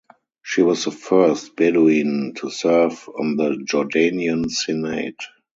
She was the first Bedouin to serve on the Jordanian Senate.